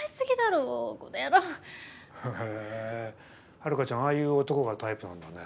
ハルカちゃんああいう男がタイプなんだね。